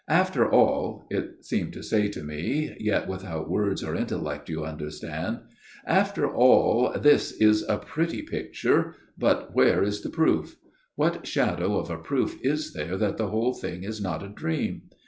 ' After all,' it seemed to say to me, yet without words or intellect, you under stand ' after all this is a pretty picture ; but where is the proof ? What shadow of a proof is there that the whole thing is not a dream